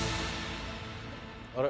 あれ？